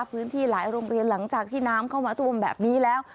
พื้นที่หลายโรงเรียนหลังจากที่น้ำเข้ามาท่วมแบบนี้แล้ว